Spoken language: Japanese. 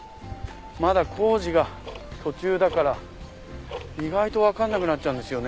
まだ工事が途中だから意外と分かんなくなっちゃうんですよね。